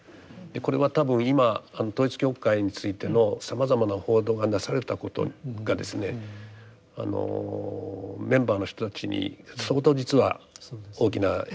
これは多分今統一教会についてのさまざまな報道がなされたことがですねメンバーの人たちに相当実は大きな影響を与えている。